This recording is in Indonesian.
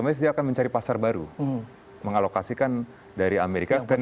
mereka akan mencari pasar baru mengalokasikan dari amerika ke wilayah lain